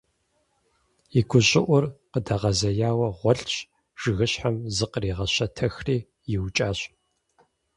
И гущӀыӀур къыдэгъэзеяуэ гъуэлъщ, жыгыщхьэм зыкъригъэщэтэхри, иукӀащ.